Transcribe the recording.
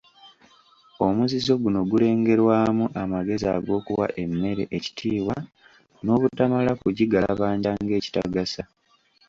Omuzizo guno gulengerwamu amagezi ag’okuwa emmere ekitiibwa n’obutamala gagigalabanja ng’ekitagasa.